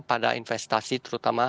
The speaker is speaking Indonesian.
pada investasi terutama